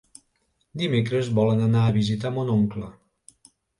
Dimecres volen anar a visitar mon oncle.